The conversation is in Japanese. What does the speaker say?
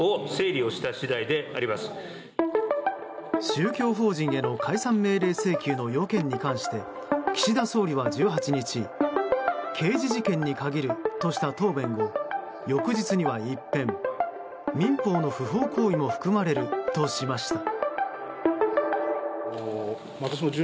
宗教法人への解散命令請求の要件について岸田総理は１８日刑事事件に限るとした答弁を翌日には一変、民法の不法行為も含まれるとしました。